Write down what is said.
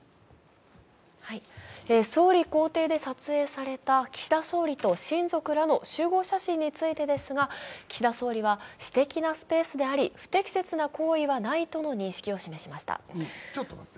総理公邸で撮影された岸田総理と親族らの集合写真についてですが岸田総理は私的なスペースであり不適切な行為はないととしました。